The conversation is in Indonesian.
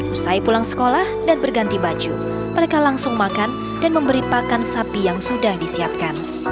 usai pulang sekolah dan berganti baju mereka langsung makan dan memberi pakan sapi yang sudah disiapkan